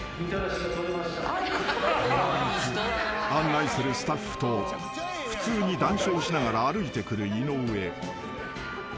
［案内するスタッフと普通に談笑しながら歩いてくる井上］